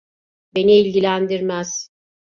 Beni ilgilendirmez.